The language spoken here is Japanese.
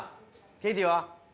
ケイティは？